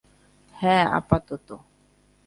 হ্যাঁ, আপাতত।